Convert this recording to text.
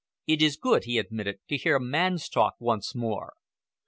"It is good," he admitted, "to hear man's talk once more.